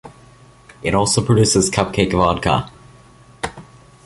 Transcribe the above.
It also produces Cupcake Vodka.